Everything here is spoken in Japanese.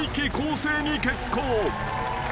生に決行］